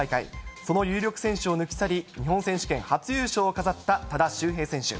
その有力選手を抜き去り、日本選手権初優勝を飾った多田修平選手。